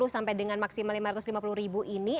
sampai dengan maksimal rp lima ratus lima puluh ini